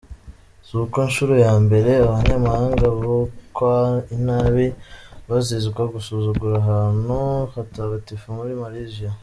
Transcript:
Si ku nshuro ya mbere, abanyamahanga bukwa inabi bazizwa gusuzugura ahantu hatagatifu muri Malaysia.